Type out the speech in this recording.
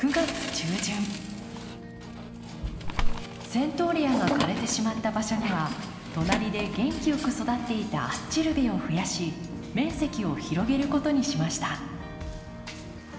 セントーレアが枯れてしまった場所には隣で元気よく育っていたアスチルベを増やし面積を広げることにしました。